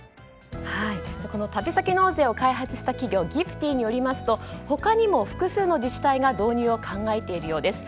旅先納税を開発した企業ギフティーによりますと他にも複数の自治体が導入を考えているようです。